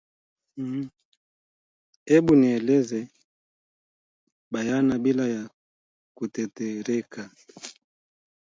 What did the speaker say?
Hebu nieleze bayana bila ya kutetereka